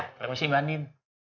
terima kasih mbak andin